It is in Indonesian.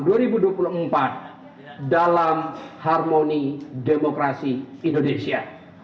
dalam harmoni demokrasi indonesia